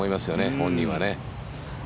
本人はね。